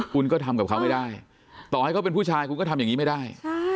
คุณก็ทำกับเขาไม่ได้ต่อให้เขาเป็นผู้ชายคุณก็ทำอย่างนี้ไม่ได้